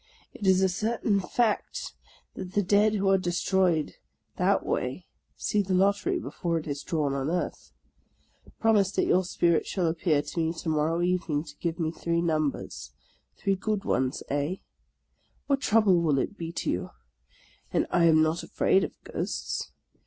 It is a certain fact that the dead who are destroyed that way see the lottery before it is drawn on earth. Promise that your spirit shall appear to me to morrow evening, to give me three numbers, — three good ones, eh? What trouble will it be to you ? and I am not afraid of ghosts.